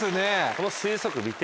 この推測見て。